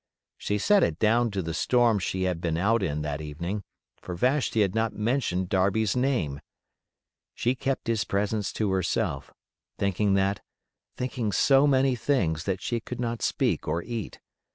She set it down to the storm she had been out in that evening, for Vashti had not mentioned Darby's name. She kept his presence to herself, thinking that—thinking so many things that she could not speak or eat.